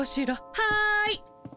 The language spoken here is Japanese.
はい。